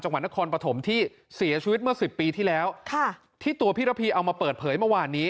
จังหวัดนครปฐมที่เสียชีวิตเมื่อสิบปีที่แล้วค่ะที่ตัวพี่ระพีเอามาเปิดเผยเมื่อวานนี้